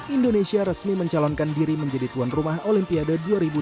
indonesia resmi mencalonkan diri menjadi tuan rumah olimpiade dua ribu dua puluh